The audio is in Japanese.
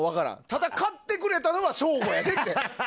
ただ、買ってくれたのは省吾やでって。